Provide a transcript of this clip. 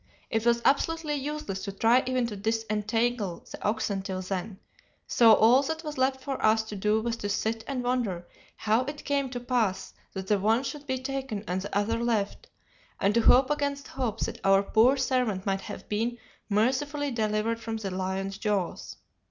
It was absolutely useless to try even to disentangle the oxen till then, so all that was left for us to do was to sit and wonder how it came to pass that the one should be taken and the other left, and to hope against hope that our poor servant might have been mercifully delivered from the lion's jaws.